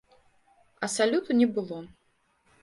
А салюту не было.